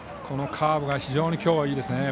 このカーブが非常に今日はいいです。